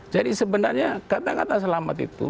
jadi sebenarnya kata kata selamat itu